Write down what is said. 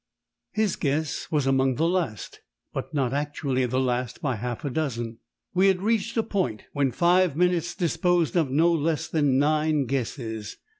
His guess was among the last, but not actually the last by half a dozen. We had reached a point when five minutes disposed of no less than nine guesses.